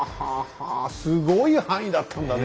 すごい範囲だったんだね